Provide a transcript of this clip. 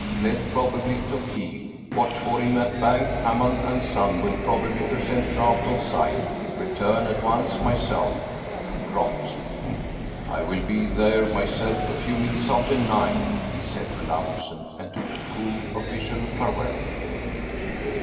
Fled probably to Kiel. Watch for him at bank Hamann & Son, will probably present draft on sight. Return at once myself. GROTH." " I will be there myself a few minutes after nine," he said to Lahusen, and took a cool official farewell.